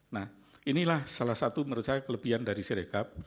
nah inilah salah satu menurut saya kelebihan dari siregap